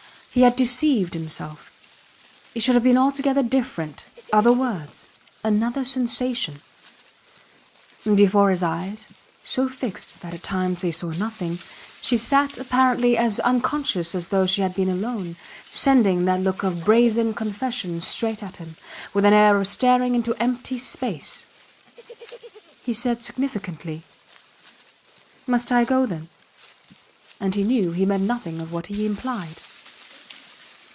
He had deceived himself. It should have been altogether different other words another sensation. And before his eyes, so fixed that at times they saw nothing, she sat apparently as unconscious as though she had been alone, sending that look of brazen confession straight at him with an air of staring into empty space. He said significantly: Must I go then? And he knew he meant nothing of what he implied.